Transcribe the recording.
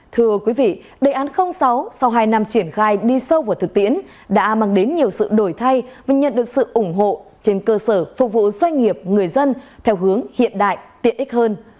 thưa quý vị đề án sáu sau hai năm triển khai đi sâu vào thực tiễn đã mang đến nhiều sự đổi thay và nhận được sự ủng hộ trên cơ sở phục vụ doanh nghiệp người dân theo hướng hiện đại tiện ích hơn